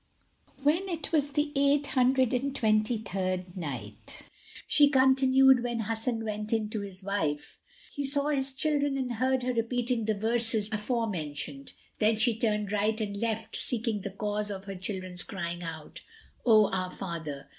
When it was the Eight Hundred and Twenty third Night, She continued, When Hasan went in to his wife he saw his children and heard her repeating the verses afore mentioned.[FN#168] Then she turned right and left, seeking the cause of her children's crying out, "O our father!"